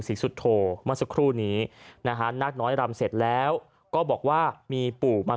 ศรีสุโธเมื่อสักครู่นี้นะฮะนาคน้อยรำเสร็จแล้วก็บอกว่ามีปู่มา